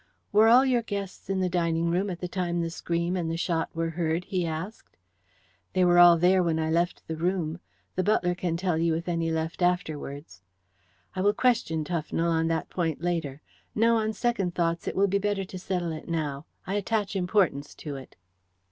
"Were all your guests in the dining room at the time the scream and the shot were heard?" he asked. "They were all there when I left the room. The butler can tell you if any left afterwards." "I will question Tufnell on that point later. No, on second thoughts, it will be better to settle it now. I attach importance to it."